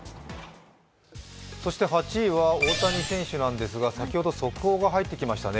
そして８位は大谷選手なんですが先ほど速報が入ってきましたね。